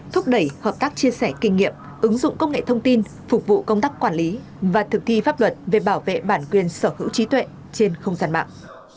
thúc đẩy hợp tác chia sẻ kinh nghiệm ứng dụng công nghệ thông tin phục vụ công tác quản lý và thực thi pháp luật về bảo vệ bản quyền sở hữu trí tuệ trên không gian mạng